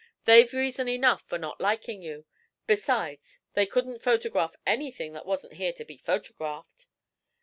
They've reason enough for not liking you. Besides, they couldn't photograph anything that wasn't here to be photographed."